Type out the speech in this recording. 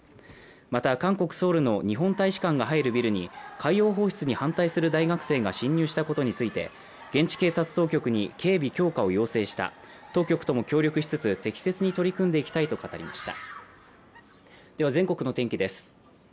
また、韓国・ソウルの日本大使館が入るビルに海洋放出に反対する大学生が侵入したことについて現地警察当局に警備強化を要請した、当局とも協力しつつ適切に取り組んでいきたいと語りました。